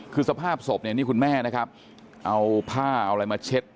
คือสภาพศพเนี่ยนี่คุณแม่นะครับเอาผ้าเอาอะไรมาเช็ด